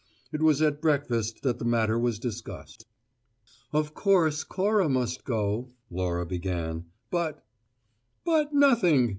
It was at breakfast that the matter was discussed. "Of course Cora must go," Laura began, "but " "But nothing!"